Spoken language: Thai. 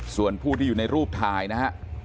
ส่วนผู้ที่อยู่ในรูปถ่ายนะฮะ